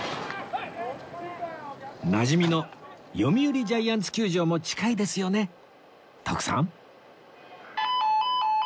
なじみの読売ジャイアンツ球場も近いですよね徳さん？